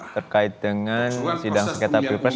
terkait dengan sidang sekitar pripres